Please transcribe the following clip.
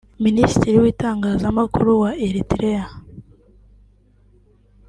Minisitiri w’itangazamakuru wa Eritrea